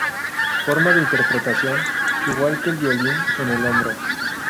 Forma de interpretación: Igual que el violín, en el hombro.